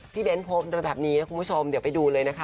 เบ้นโพสต์แบบนี้นะคุณผู้ชมเดี๋ยวไปดูเลยนะคะ